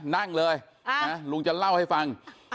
นั่งเลยลุงจะเล่าให้ฟัง